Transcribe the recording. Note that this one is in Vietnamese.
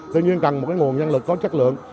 tuy nhiên cần một nguồn nhân lực có chất lượng